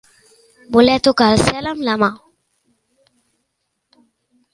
Voler tocar el cel amb la mà.